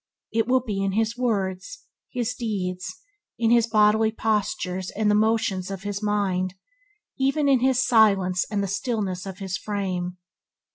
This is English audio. It will be in his words, his deeds, in his bodily postures and the motions of his mind, even in his silence and the stillness of his frame.